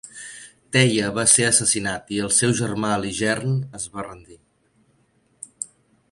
Teia va ser assassinat i el seu germà Aligern es va rendir.